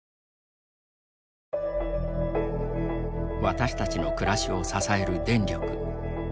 私たちの暮らしを支える電力。